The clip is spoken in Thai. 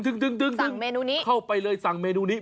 สั่งเมนูนี้เข้าไปเลยสั่งเมนูนี้